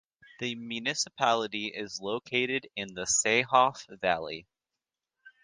The municipality is located in the Seehof valley.